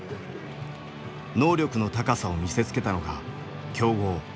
能力の高さを見せつけたのが強豪サンゴ